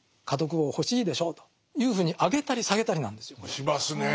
家督を欲しいでしょうというふうに上げたり下げたりなんですよこれ。